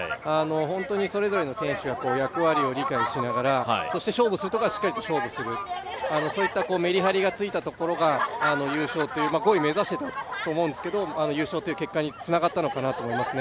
それぞれの選手が役割を理解しながら、そして勝負するところは、しっかりと勝負する、そういっためりはりがついたところが優勝という、５位目指していたと思うんですけど優勝という結果につながったんだと思いますね。